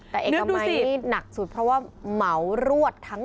เนื้อดูสิเอกมัยนี่หนักสุดเพราะว่าเหมารวดทั้งสอย